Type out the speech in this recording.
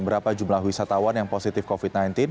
berapa jumlah wisatawan yang positif covid sembilan belas